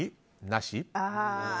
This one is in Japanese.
なし？